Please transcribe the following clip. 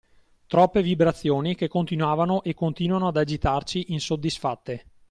Troppe vibrazioni che continuavano e continuano ad agitarci insoddisfatte.